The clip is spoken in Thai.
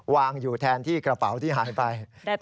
วางอยู่แทนที่กระเป๋าที่หายไป